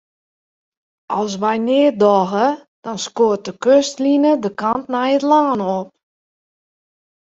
As wy neat dogge, dan skoot de kustline de kant nei it lân op.